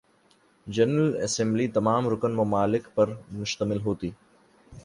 general assembly تمام رکن ممالک پر مشتمل ہوتی ہے